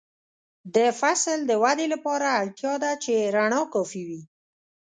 د فصل د ودې لپاره اړتیا ده چې رڼا کافي وي.